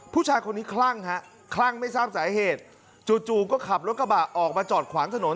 ผู้ชายคนนี้คลั่งฮะคลั่งไม่ทราบสาเหตุจู่ก็ขับรถกระบะออกมาจอดขวางถนน